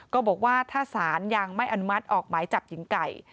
ก็บอกว่าถ้าศาลยังไม่อนุมัติออกหมายจับหญิงไก่